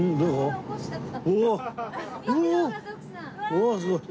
うわっすごい。